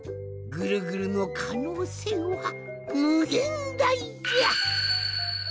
ぐるぐるのかのうせいはむげんだいじゃ！